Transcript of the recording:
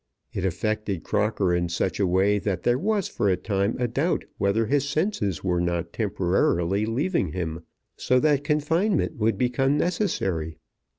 It affected Crocker in such a way that there was for a time a doubt whether his senses were not temporarily leaving him, so that confinement would become necessary.